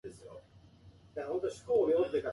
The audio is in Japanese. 姉は天才である